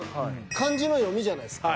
漢字の読みじゃないすか。